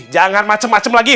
jangan macem macem lagi